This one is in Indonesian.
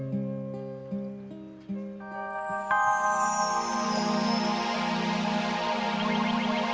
dan mereka yang rusak